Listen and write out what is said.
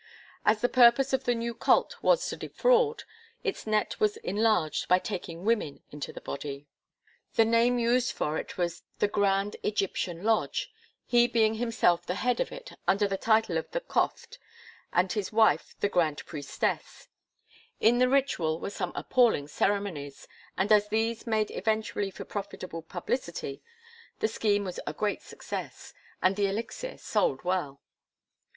As the purpose of the new cult was to defraud, its net was enlarged by taking women into the body. The name used for it was the Grand Egyptian Lodge he being himself the head of it under the title of the Cophte and his wife the Grand Priestess. In the ritual were some appalling ceremonies, and as these made eventually for profitable publicity, the scheme was a great success and the elixir sold well.